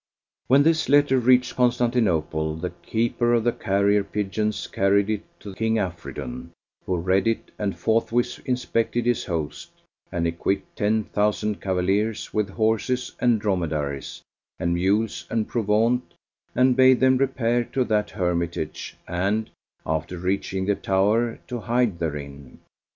When this letter reached Constantinople, the keeper of the carrier pigeons carried it to King Afridun, who read it and forthwith inspected his host and equipped ten thousand cavaliers with horses and dromedaries and mules and provaunt and bade them repair to that hermitage and, after reaching the tower, to hide therein.